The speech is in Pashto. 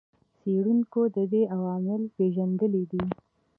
څېړونکو د دې عوامل پېژندلي دي.